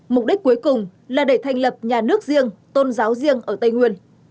mục đích cuối cùng là để thành lập nhà nước riêng tôn giáo riêng ở tây nguyên